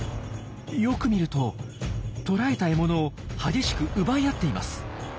よく見ると捕らえた獲物を激しく奪い合っています。